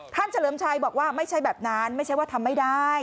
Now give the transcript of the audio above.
เฉลิมชัยบอกว่าไม่ใช่แบบนั้นไม่ใช่ว่าทำไม่ได้